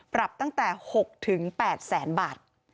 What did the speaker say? ปรับตั้งแต่๖๘แสนบาท